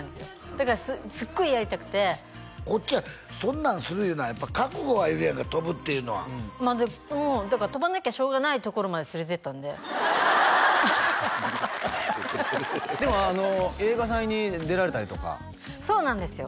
だからすごいやりたくてこっちはそんなんするいうのはやっぱ覚悟がいるやんか飛ぶっていうのはもうだから飛ばなきゃしょうがないところまで連れてったんででもあの映画祭に出られたりとかそうなんですよ